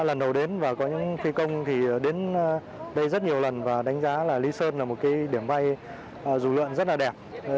kể từatures pour fe opinions về trang báo vũ trang giao tuyến dành kính sau applause international